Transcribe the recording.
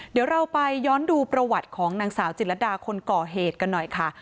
เดี๋ยวเราไปย้อนดูประวัติของนางสาวจิตรดาคนก่อเหตุกันหน่อยค่ะ